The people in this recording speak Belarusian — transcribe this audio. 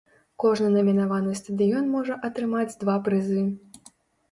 Кожны намінаваны стадыён можа атрымаць два прызы.